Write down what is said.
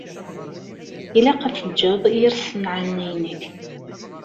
Ilaq ad teǧǧeḍ yir ṣṣenɛa-nni-inek.